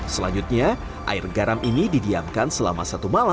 selanjutnya air garam ini didiamkan selama satu malam